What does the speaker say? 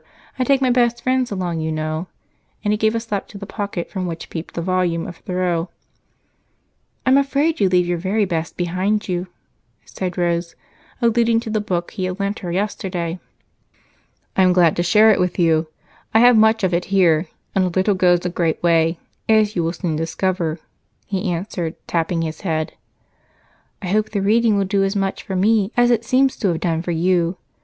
I take my best friends along, you know," and he gave a slap to the pocket from which peeped the volume of Thoreau. "I'm afraid you leave your very best behind you," said Rose, alluding to the book he had lent her yesterday. "I'm glad to share it with you. I have much of it here, and a little goes a great way, as you will soon discover," he answered, tapping his head. "I hope the reading will do as much for me as it seems to have done for you.